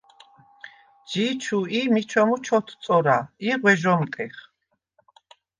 ჯი ჩუ ი მიჩომუ ჩოთწორა ი ღვე ჟ’ომტეხ.